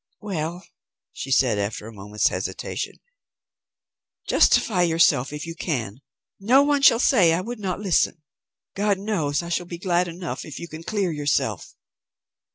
"Well," she said after a moment's hesitation, "justify yourself if you can. No one shall say I would not listen. God knows I shall be glad enough if you can clear yourself."